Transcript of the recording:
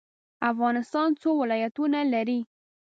افغانستان څو ولایتونه لري؟